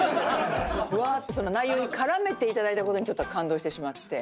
うわって内容絡めていただいたことにちょっと感動してしまって。